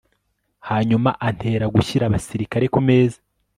Hanyuma antera gushyira abasirikare kumeza